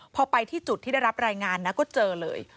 พอไปที่จุดที่ได้รับรายงานนะก็เจอเลย